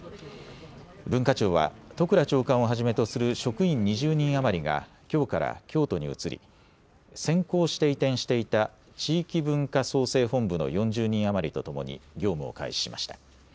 文化庁は都倉長官をはじめとする職員２０人余りがきょうから京都に移り先行して移転していた地域文化創生本部の４０人余りと共に業務を開始しました。